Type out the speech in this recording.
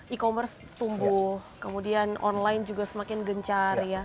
e commerce tumbuh kemudian online juga semakin gencar ya